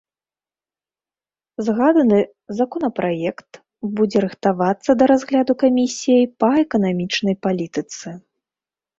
Згаданы законапраект будзе рыхтавацца да разгляду камісіяй па эканамічнай палітыцы.